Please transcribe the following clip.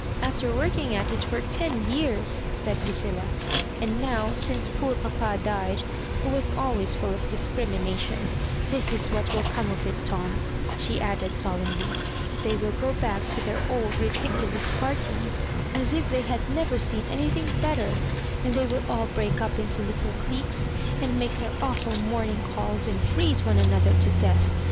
" After working at it for ten years I " said Lu cilla, " and now, since poor papa died, who was always full of discrimination — ^This is what will come of it, Tom,'* she added, solemnly —" they will go back to their old ridiculous parties, as 12 if they had never seen anything better; and they will all break up into Httle cliques, and make their awful morning calls and freeze one another to death.